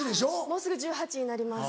もうすぐ１８歳になります。